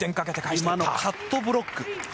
今のカットブロック。